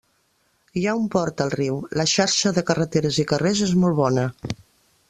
Hi ha un port al riu, la xarxa de carreteres i carrers és molt bona.